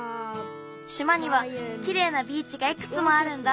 しまにはきれいなビーチがいくつもあるんだ。